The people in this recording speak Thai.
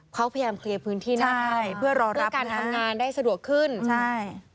เค้าพยายามเคลียร์พื้นที่นั่นนะครับเพื่อการทำงานได้สะดวกขึ้นใช่เพื่อรอรับน่ะ